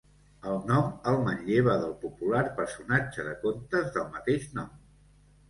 El nom el manlleva del popular personatge de contes del mateix nom.